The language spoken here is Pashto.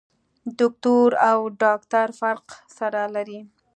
دوکتور او ډاکټر فرق سره لري.